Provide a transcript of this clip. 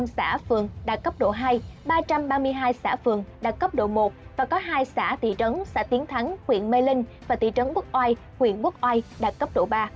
hai trăm bốn mươi năm xã phường đạt cấp độ hai ba trăm ba mươi hai xã phường đạt cấp độ một và có hai xã tỷ trấn xã tiến thắng huyện mê linh và tỷ trấn quốc oai huyện quốc oai đạt cấp độ ba